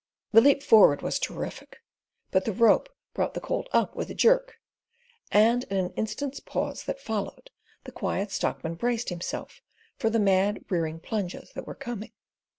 The leap forward was terrific; but the rope brought the colt up with a jerk; and in the instant's pause that followed the Quiet Stockman braced himself for the mad rearing plunges that were coming.